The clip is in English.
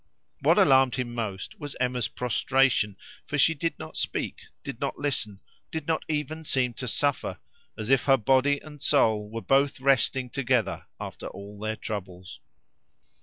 What alarmed him most was Emma's prostration, for she did not speak, did not listen, did not even seem to suffer, as if her body and soul were both resting together after all their troubles.